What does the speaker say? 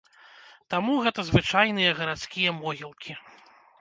Таму гэта звычайныя гарадскія могілкі.